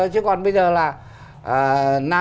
chứ còn bây giờ là